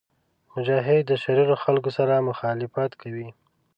مجاهد د شریرو خلکو سره مخالفت کوي.